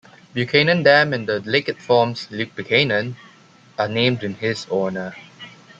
Buchanan Dam and the lake it forms, Lake Buchanan, are named in his honor.